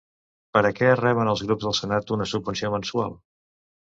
Per a què reben els grups del senat una subvenció mensual?